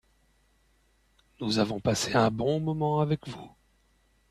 Nous avons passé un bon moment avec vous.